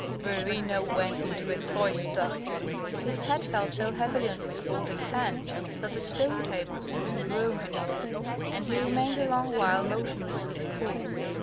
Verena went into a cloister!" His head fell so heavily on his folded hands, that the stone table seemed to groan beneath it, and he remained a long while motionless as a corpse.